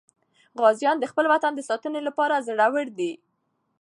غازیان د خپل وطن د ساتنې لپاره زړور دي.